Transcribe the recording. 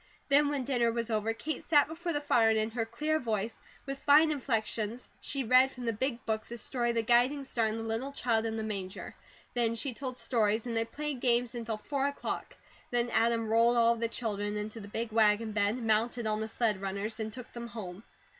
Then when dinner was over, Kate sat before the fire and in her clear voice, with fine inflections, she read from the Big Book the story of the guiding star and the little child in the manger. Then she told stories, and they played games until four o'clock; and then Adam rolled all of the children into the big wagon bed mounted on the sled runners, and took them home.